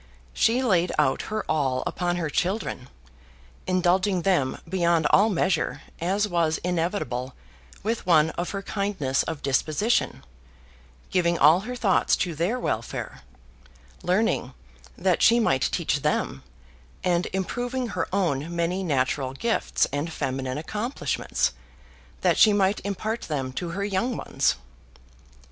She laid out her all upon her children, indulging them beyond all measure, as was inevitable with one of her kindness of disposition; giving all her thoughts to their welfare learning, that she might teach them; and improving her own many natural gifts and feminine accomplishments, that she might impart them to her young ones.